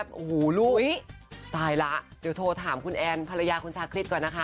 โอ้โหลูกตายละเดี๋ยวโทรถามคุณแอนภรรยาคุณชาคริสก่อนนะคะ